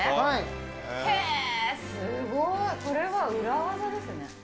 へぇー、すごい、これは裏技ですね。